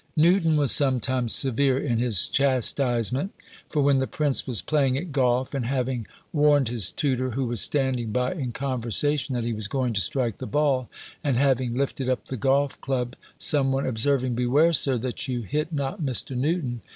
Newton was sometimes severe in his chastisement; for when the prince was playing at goff, and having warned his tutor, who was standing by in conversation, that he was going to strike the ball, and having lifted up the goff club, some one observing, "Beware, sir, that you hit not Mr. Newton!"